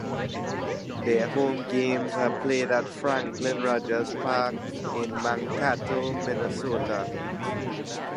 Their home games are played at Franklin Rogers Park in Mankato, Minnesota.